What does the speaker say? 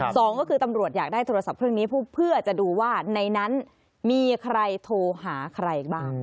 สองก็คือตำรวจอยากได้โทรศัพท์เครื่องนี้เพื่อจะดูว่าในนั้นมีใครโทรหาใครบ้าง